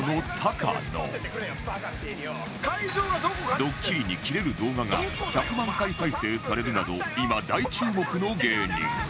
ドッキリにキレる動画が１００万回再生されるなど今大注目の芸人